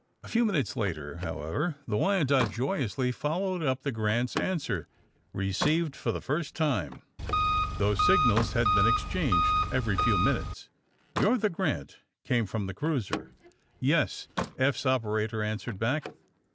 A few minutes later, however, the Wya noke" joyously followed up the '' Grant's" an swer, received for the first time, though signals had been exchanged every few minutes. ^ ^You're the ^ Grant 'I" came from the cruiser. ^^Yes," Eph's operator answered back.